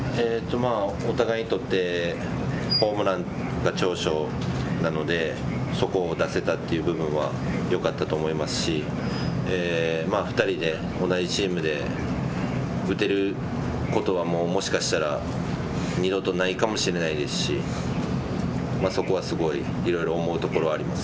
お互いにとってホームランが長所なのでそこを出せたという部分はよかったと思いますし２人で同じチームで打てることはもうもしかしたら二度とないかもしれないですしそこはすごいいろいろ思うところはあります。